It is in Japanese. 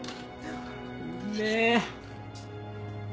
うめえ！